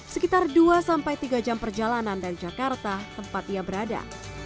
sekitar dua sampai tiga jam perjalanan dari jakarta tempat ia berada